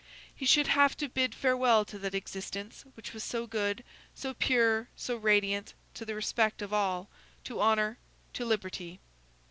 He should have to bid farewell to that existence which was so good, so pure, so radiant, to the respect of all, to honor, to liberty.